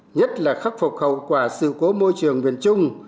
nhất là khắc phục hậu quả sự cố môi trường miền trung